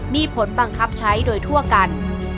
มีผลบังคับใช้โดยทั่วกัน